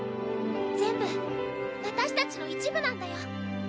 全部私たちの一部なんだよ。